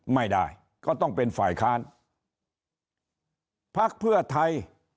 ไม่ได้ก็ต้องเป็นฝ่ายค้านพักเพื่อไทย